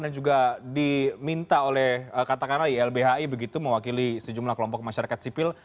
dan juga diminta oleh katakanlah ilbhi begitu mewakili sejumlah kelompok masyarakat sipil